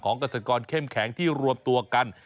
เกษตรกรเข้มแข็งที่รวมตัวกัน